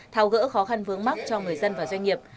thao gỡ khó khăn vướng mắt cho người dân và doanh nghiệp